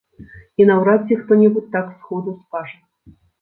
І наўрад ці хто-небудзь так сходу скажа.